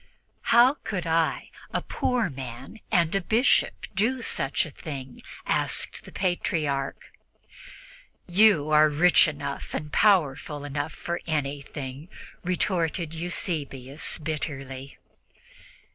"How could I, a poor man and a Bishop, do such a thing?" asked the Patriarch. "You are rich enough and powerful enough for anything," retorted Eusebius bitterly.